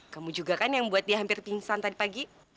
kamu juga kan yang buat dia hampir pingsan tadi pagi